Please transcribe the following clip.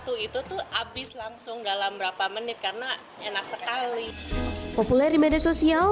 tuh itu tuh habis langsung dalam berapa menit karena enak sekali populer di media sosial